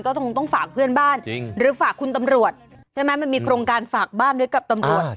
ก็คงต้องฝากเพื่อนบ้านจริงหรือฝากคุณตำรวจใช่ไหมมันมีโครงการฝากบ้านไว้กับตำรวจ